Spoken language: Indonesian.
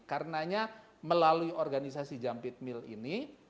karenanya melalui organisasi jump it mill ini